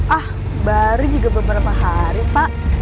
ah baru juga beberapa hari pak